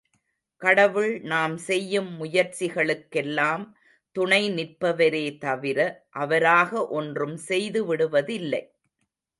கடவுள் நாம் செய்யும் முயற்சிகளுக்கெல்லாம் துணை நிற்பவரே தவிர அவராக ஒன்றும் செய்து விடுவதில்லை.